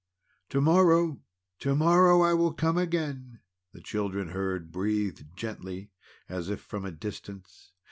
"To morrow! To morrow! I will come again!" the children heard breathed gently as if from a distance.